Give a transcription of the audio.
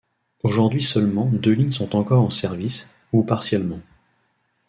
Aujourd’hui seulement deux lignes sont encore en service, ou partiellement.